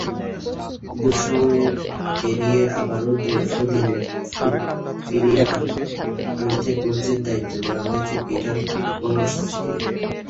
দুঃসময় পেরিয়ে আবারও সুদিন ফিরিয়ে আনতে কোচের দায়িত্ব দেওয়া হয়েছে পিটার মুরসকে।